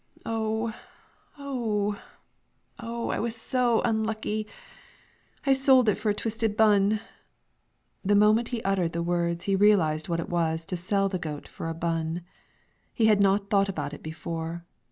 "Oh oh oh! I was so unlucky. I sold it for a twisted bun!" The moment he uttered the words he realized what it was to sell the goat for a bun; he had not thought about it before.